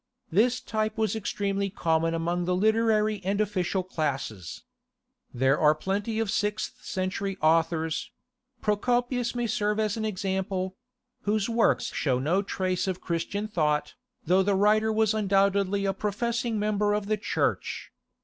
This type was extremely common among the literary and official classes. There are plenty of sixth century authors—Procopius may serve as an example—whose works show no trace of Christian thought, though the writer was undoubtedly a professing member of the Church.